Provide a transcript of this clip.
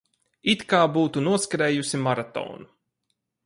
It kā būtu noskrējusi maratonu.